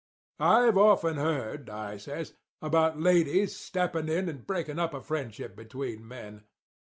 I've often heard,' I says, 'about ladies stepping in and breaking up a friendship between men.